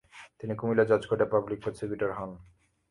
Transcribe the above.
তিনি কুমিল্লা জজকোর্টে public prosecutor হন।